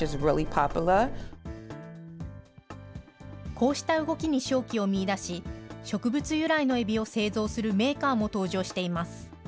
こうした動きに商機を見いだし、植物由来のエビを製造するメーカーも登場しています。